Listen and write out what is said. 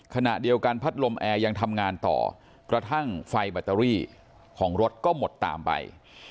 ขณะเดียวกันพัดลมแอร์ยังทำงานต่อกระทั่งไฟแบตเตอรี่ของรถก็หมดตามไป